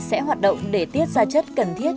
sẽ hoạt động để tiết ra chất cần thiết